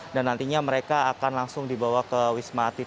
dan nantinya mereka akan langsung dibawa ke wisma atlet